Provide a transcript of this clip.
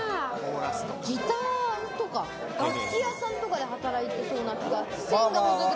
ギターとか楽器屋さんとかで働いてそうな。